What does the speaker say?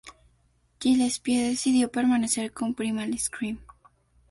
Gillespie decidió permanecer con Primal Scream.